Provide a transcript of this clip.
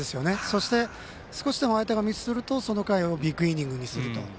そして、少しでも相手がミスするとその回をビッグイニングにすると。